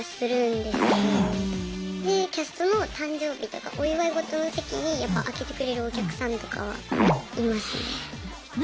でキャストの誕生日とかお祝い事の席にやっぱ開けてくれるお客さんとかはいますね。